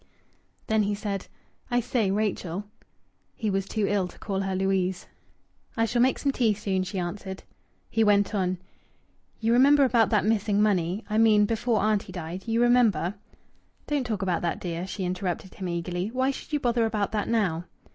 Then he said, "I say, Rachel." He was too ill to call her "Louise." "I shall make some tea soon," she answered. He went on: "You remember about that missing money I mean before auntie died. You remember " "Don't talk about that, dear," she interrupted him eagerly. "Why should you bother about that now?"